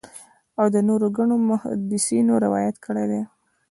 او نورو ګڼو محدِّثينو روايت کړی دی